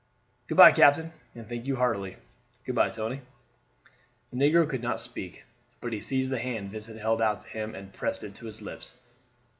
"Good by, captain, and thank you heartily. Good by, Tony." The negro could not speak, but he seized the hand Vincent held out to him and pressed it to his lips.